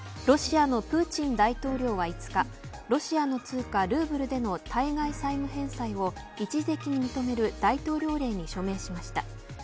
ロシアのプーチン大統領は５日ロシアの通貨ルーブルでの対外債務返済を一時的に認める大統領令に署名しました。